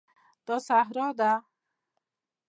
دا صحرا ده